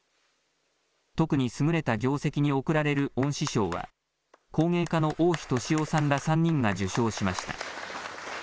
特に優れた業績に贈られる恩賜賞は、工芸家の大樋年雄さんら３人が受賞しました。